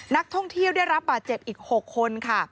นักท่องเที่ยวได้รับบาดเจ็บอีก๖คนค่ะ